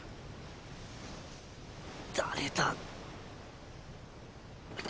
誰だ。